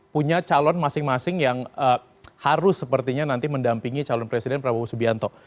punya calon masing masing yang harus sepertinya nanti mendampingi calon presiden prabowo subianto